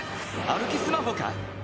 歩きスマフォか？